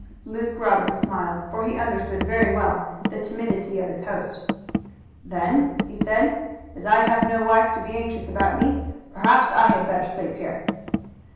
Luke Robbins smiled, for he understood very well the timidity of his host. "Then," he said, "as I have no wife to be anxious about me, perhaps I had better sleep here."